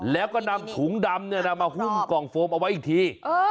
แล้วก็นำถุงดำมาหุ้มกล่องโฟมเอาไว้อีกที